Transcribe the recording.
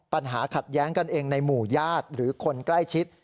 ปัญหาขัดแย้งกันเองในหมู่ญาติหรือคนใกล้ชิด